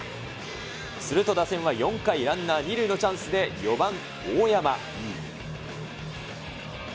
すると打線は４回、ランナー２塁のチャンスで、４番大山。